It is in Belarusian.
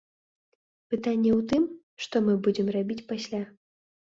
Пытанне ў тым, што мы будзем рабіць пасля.